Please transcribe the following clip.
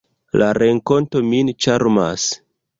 La renkonto min ĉarmas.